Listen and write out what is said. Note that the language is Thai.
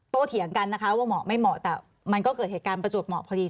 เถียงกันนะคะว่าเหมาะไม่เหมาะแต่มันก็เกิดเหตุการณ์ประจวบเหมาะพอดี